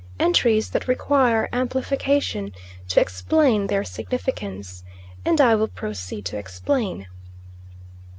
entries that require amplification to explain their significance, and I will proceed to explain.